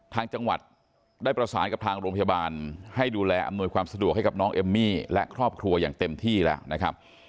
ทางจังหวัดได้ประสานกับทางโรงพยาบาลให้ดูแลอำนวยความสะดวกให้กับน้องเอมมี่และครอบครัวอย่างเต็มที่แล้วนะครับ